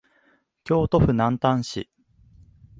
京都府南丹市